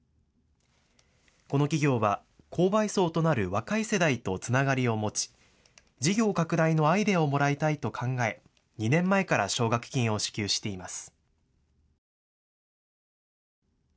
この企業は購買層となる若い世代とつながりを持ち事業拡大のアイデアをもらいたいと考え、２年前から奨学金を支給しています。